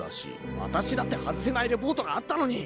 わたしだって外せないリポートがあったのに。